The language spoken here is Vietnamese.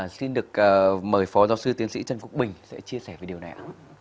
xin được mời phó giáo sư tiến sĩ trân quốc bình sẽ chia sẻ về điều này